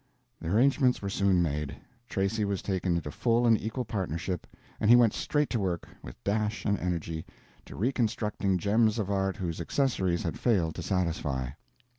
The arrangements were soon made. Tracy was taken into full and equal partnership, and he went straight to work, with dash and energy, to reconstructing gems of art whose accessories had failed to satisfy.